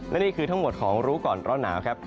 และนี่คือทั้งหมดของรู้ก่อนร้อนหนาวครับ